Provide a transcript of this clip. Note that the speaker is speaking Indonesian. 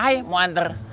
i mau hantar